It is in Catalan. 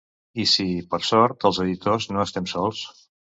I sí, per sort, els editors no estem sols.